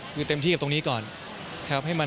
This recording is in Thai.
คือเต็มที่กับตรงนี้ก่อนครับ